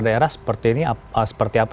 daerah seperti ini seperti apa